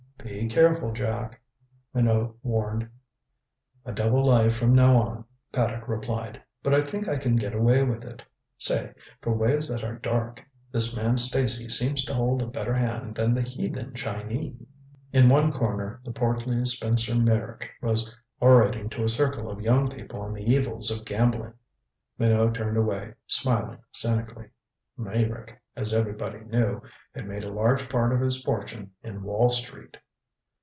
"Be careful, Jack," Minot warned. "A double life from now on," Paddock replied, "but I think I can get away with it. Say, for ways that are dark this man Stacy seems to hold a better hand than the heathen Chinee." In one corner the portly Spencer Meyrick was orating to a circle of young people on the evils of gambling. Minot turned away, smiling cynically. Meyrick, as everybody knew, had made a large part of his fortune in Wall Street.